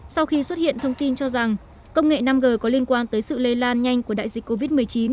sau khi xuất hiện thông tin cho rằng công nghệ năm g có liên quan tới sự lây lan nhanh của đại dịch covid một mươi chín